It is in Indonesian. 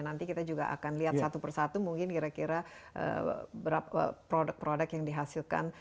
nanti kita juga akan lihat satu persatu mungkin kira kira berapa produk produk yang dihasilkan